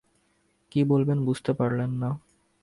কী বলবেন, বুঝতে পারলেন না।